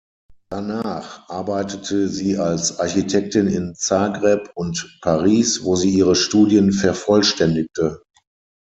Danach arbeitete sie als Architektin in Zagreb und Paris, wo sie ihre Studien vervollständigte.